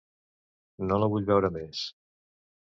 No la vull veure més.